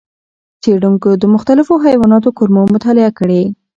څېړونکو د مختلفو حیواناتو کولمو مطالعې کړې.